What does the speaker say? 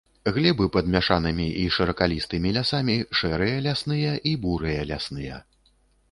Глебы пад мяшанымі і шыракалістымі лясамі шэрыя лясныя і бурыя лясныя.